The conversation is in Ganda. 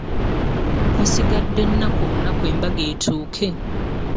Wasigadde nnaku bunaku embaga etuuke.